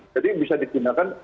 jadi bisa digunakan